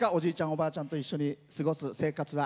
おばあちゃんと一緒に過ごす時間は。